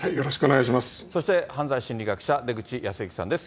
そして犯罪心理学者、出口保行さんです。